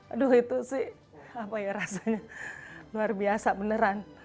aduh itu sih apa ya rasanya luar biasa beneran